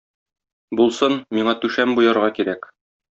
Булсын, миңа түшәм буярга кирәк.